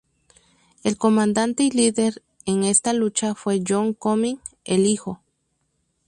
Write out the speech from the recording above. El comandante y líder en esta lucha fue John Comyn, el hijo.